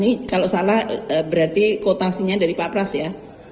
ini kalau salah berarti kuotasinya dari pak pras ya